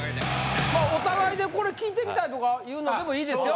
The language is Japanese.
まあお互いでこれ聞いてみたいとかいうのでも良いですよ。